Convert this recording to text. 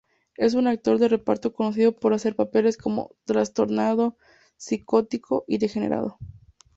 Es un actor de reparto conocido por hacer papeles como trastornado, psicótico y degenerado.